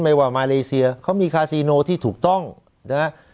ไม่ว่ามาเลเซียเขามีคาซีโนที่ถูกต้องนะฮะ